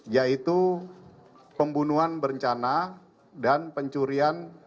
yaitu pembunuhan berencana dan pencurian